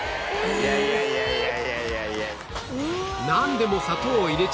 いやいやいやいや。